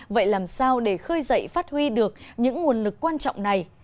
vậy làm sao để khơi dậy phát huy được những nguồn lực quan trọng này